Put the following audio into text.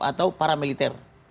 atau para militer